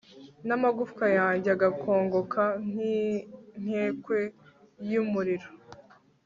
n'amagufwa yanjye agakongoka nk'inkekwe y'umuriro